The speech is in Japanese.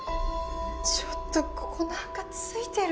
ちょっとここなんかついてる。